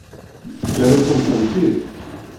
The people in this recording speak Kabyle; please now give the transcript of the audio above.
Ǧǧan-asent-tent-id?